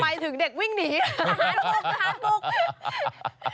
หมายถึงเด็กวิ่งหนีหาดปุก